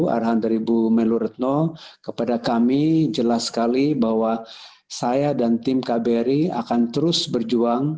arahan dari bu menlu retno kepada kami jelas sekali bahwa saya dan tim kbri akan terus berjuang